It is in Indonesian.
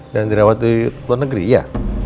dan dirawat di luar negeri iya